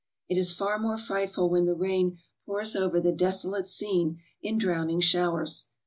It is far more frightful when the rain pours over the desolate scene in drowning showers.